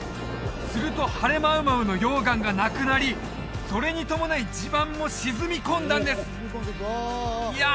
するとハレマウマウの溶岩がなくなりそれに伴い地盤も沈み込んだんですいや